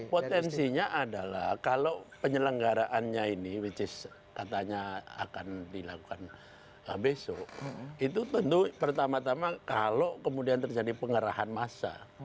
potensinya adalah kalau penyelenggaraannya ini which is katanya akan dilakukan besok itu tentu pertama tama kalau kemudian terjadi pengerahan massa